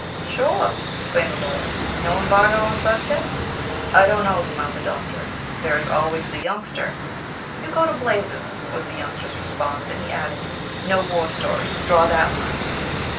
"Sure," exclaimed the Lawyer. "No embargo on subjects?" "I don't know," smiled the Doctor. "There is always the Youngster." "You go to blazes," was the Youngster's response, and he added: "No war stories. Draw that line."